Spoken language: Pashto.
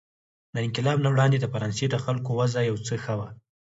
د انقلاب نه وړاندې د فرانسې د خلکو وضع یو څه ښه وه.